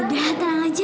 udah tenang aja